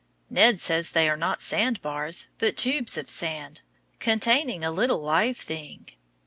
Ned says they are not sand bars but tubes of sand, containing a little live thing.